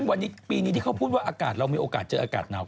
วันนี้ปีนี้ที่เขาพูดว่าอากาศเรามีโอกาสเจออากาศหนาว